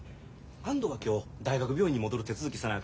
安藤は今日大学病院に戻る手続きせなあ